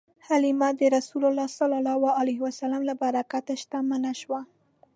حلیمه د رسول الله ﷺ له برکته شتمنه شوه.